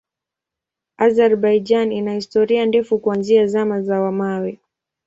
Azerbaijan ina historia ndefu kuanzia Zama za Mawe.